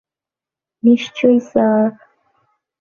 নিশ্চয়ই স্যার।